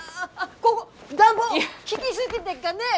こご暖房効ぎ過ぎでっかねえ！